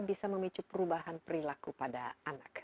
bisa memicu perubahan perilaku pada anak